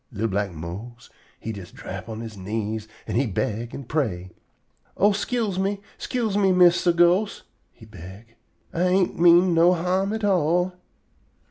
Li'l black Mose he jest drap on he knees an' he beg an' pray: "Oh, 'scuse me! 'Scuse me, Mistah Ghost!" he beg. "Ah ain't mean no harm at all."